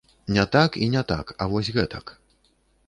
Не так і не так, а вось гэтак.